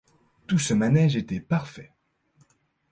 Tout ce manège était parfait.